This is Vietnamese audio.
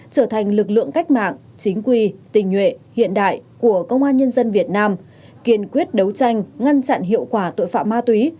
trở thành lực lượng cách mạng chính quy tình nhuệ hiện đại của công an nhân dân việt nam kiên quyết đấu tranh ngăn chặn hiệu quả tội phạm ma túy